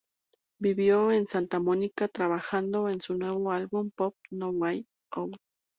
Vivió en Santa Mónica, trabajando en su nuevo álbum pop "No Way Out".